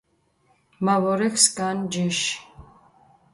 მა ვორექ სკანი ჯიში